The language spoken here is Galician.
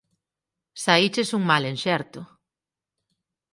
Saíches un mal enxerto